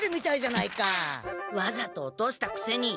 わざと落としたくせに。